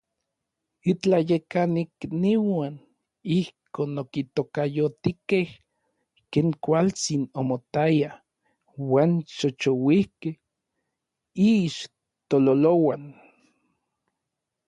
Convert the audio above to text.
Itlayekanikniuan ijkon okitokayotikej ken kualtsin omotaya uan xoxouikej iixtololouan.